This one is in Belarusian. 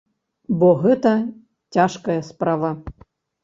Бо гэта цяжкая справа.